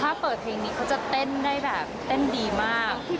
ถ้าเปิดเพลงนี้เขาจะเต้นได้แบบเต้นดีมาก